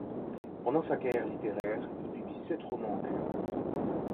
Pendant sa carrière littéraire, il publie sept romans en kurde.